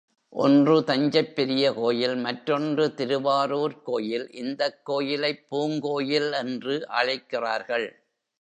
ஒன்று தஞ்சைப் பெரிய கோயில் மற்றொன்று திருவாரூர்க் கோயில், இந்தக் கோயிலைப் பூங்கோயில் என்று அழைக்கிறார்கள்.